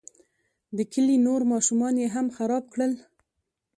د کلي نور ماشومان یې هم خراب کړل.